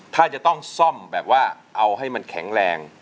ถ้าจะต้องซ่อมแบบว่าเอาให้มันแข็งแรง